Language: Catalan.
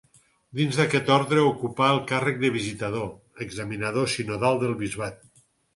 Dins aquest orde ocupà el càrrec de visitador, examinador sinodal del bisbat.